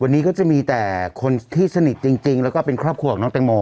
วันนี้ก็จะมีแต่คนที่สนิทจริงแล้วก็เป็นครอบครัวของน้องแตงโม